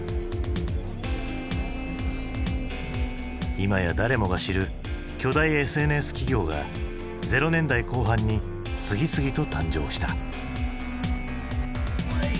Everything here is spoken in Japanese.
今や誰もが知る巨大ＳＮＳ企業がゼロ年代後半に次々と誕生した。